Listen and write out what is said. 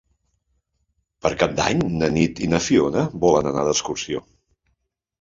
Per Cap d'Any na Nit i na Fiona volen anar d'excursió.